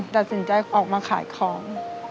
ตัดสินใจออกมาขายของ